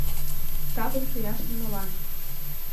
— Жапым шуяш нимолан!